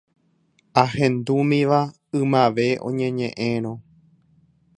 Ahendúmiva ymave oñeñe’ẽrõ